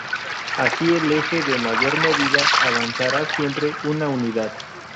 Así el eje de mayor medida avanzará siempre una unidad.